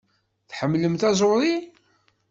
Tḥemmlem taẓuri?